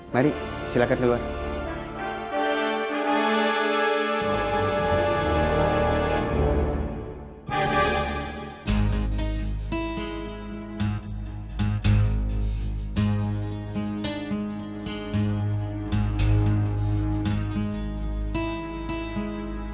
kalau siva kelihatan seperti ini